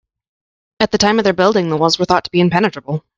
At the time of their building, the walls were thought to be impenetrable.